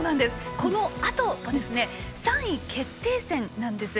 このあと３位決定戦です。